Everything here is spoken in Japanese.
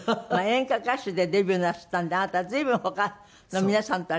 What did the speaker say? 演歌歌手でデビューなすったんであなた随分他の皆さんとは違ってたんですってね。